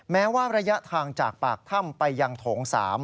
แม้ว่าระยะทางจากปากถ้ำไปยังโถง๓